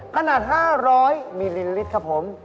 ขนาด๕๐๐มิลลิลิตรครับผม